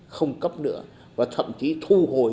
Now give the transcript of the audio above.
không cấp nữa và thậm chí thu hồi